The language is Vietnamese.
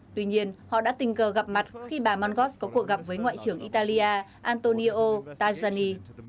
tuy nhiên họ đã tình cờ gặp mặt khi bà mangos có cuộc gặp với ngoại trưởng italia antonio tajani